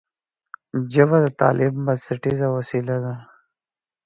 ژبه د تعلیم بنسټیزه وسیله ده